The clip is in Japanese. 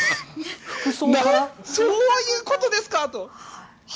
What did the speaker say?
そういうことですかと。